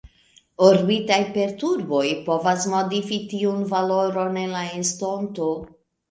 Orbitaj perturboj povas modifi tiun valoron en la estonto.